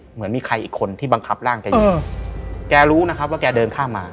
เหมือนมีใครอีกคนที่บังคับร่างแกอยู่แกรู้นะครับว่าแกเดินข้ามมา